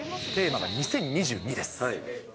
テーマが２０２２です。